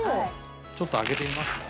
ちょっと開けてみますね。